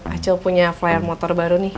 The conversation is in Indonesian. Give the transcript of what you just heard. acel punya flyer motor baru nih